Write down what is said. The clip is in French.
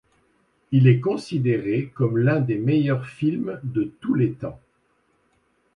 Il est considéré comme l'un des meilleurs films de tous les temps.